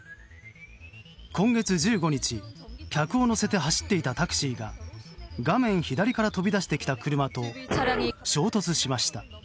今月１５日、客を乗せて走っていたタクシーが画面左から飛び出してきた車と衝突しました。